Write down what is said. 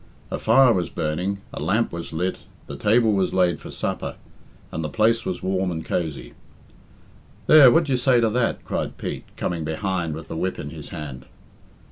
A fire was burning, a lamp was lit, the table was laid for supper, and the place was warm and cosy. "There! What d'ye say to that?" cried Pete, coming behind with the whip in his hand.